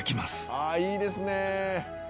「ああいいですね」